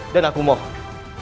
dan aku mohon